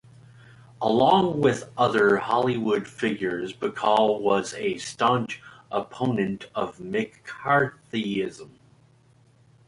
Along with other Hollywood figures, Bacall was a staunch opponent of McCarthyism.